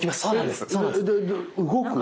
で動く？